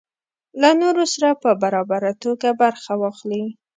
له نورو سره په برابره توګه برخه واخلي.